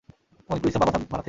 অনেক পরিশ্রম বাবা সাব বানাতে।